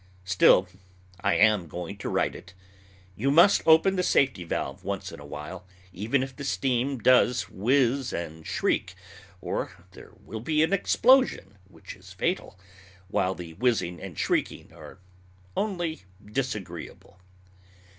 Still I am going to write it. You must open the safety valve once in a while, even if the steam does whiz and shriek, or there will be an explosion, which is fatal, while the whizzing and shrieking are only disagreeable.